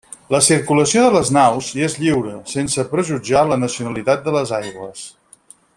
La circulació de les naus hi és lliure, sense prejutjar la nacionalitat de les aigües.